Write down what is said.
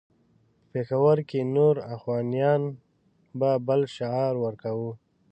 په پېښور کې نور اخوانیان به بل شعار ورکاوه.